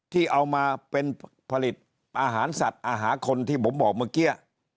ที่เอามาเป็นผลิตอาหารสัตว์อาหารคนที่ผมบอกเมื่อกี้